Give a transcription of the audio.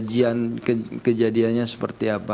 kajian kejadiannya seperti apa